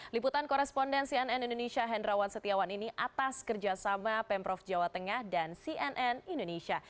liputan korespondensi ann indonesia hendrawan setiawan ini atas kerjasama pemprov jawa tengah dan cnn indonesia